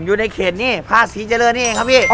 อยู่ในเขตนี่ภาษีเจริญนี่เองครับพี่